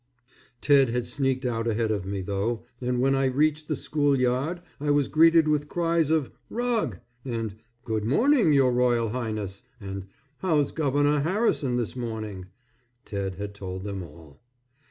Ted had sneaked out ahead of me though, and when I reached the school yard I was greeted with cries of "Rug," and "Good morning, your Royal Highness," and "How's Governor Harrison this morning?" Ted had told them all.